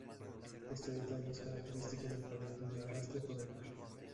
Este detalle es característico del período de arrastre por el mar.